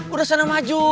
udah sana maju